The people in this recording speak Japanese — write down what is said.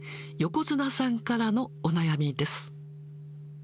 よこづなさんからのお悩みです。